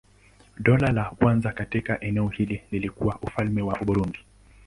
Dola la kwanza katika eneo hili lilikuwa Ufalme wa Burundi.